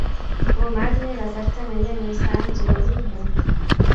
komatinye kasarta ne yemei sa am che kokiibwo